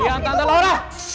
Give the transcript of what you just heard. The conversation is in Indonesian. iya tante laura